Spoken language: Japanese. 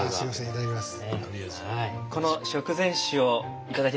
いただきます。